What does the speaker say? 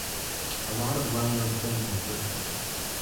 A lot of well-known families live there.